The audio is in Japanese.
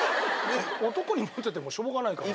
男にモテてもしょうがないから。